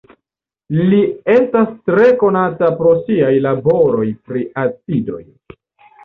Li estas tre konata pro siaj laboroj pri acidoj.